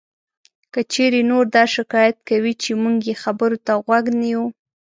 که چېرې نور دا شکایت کوي چې مونږ یې خبرو ته غوږ نه یو